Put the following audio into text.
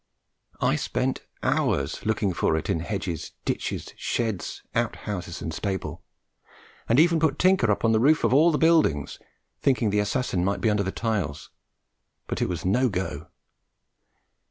I spent hours looking for it in hedges, ditches, sheds, out houses and stable, and even put Tinker up on the roof of all the buildings, thinking the assassin might be under the tiles; but it was no go.